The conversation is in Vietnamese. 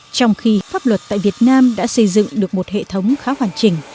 trong khi pháp luật tại việt nam đã xây dựng được một hệ thống khá hoàn chỉnh